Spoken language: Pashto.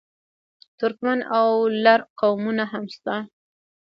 ترکمن او لر قومونه هم شته.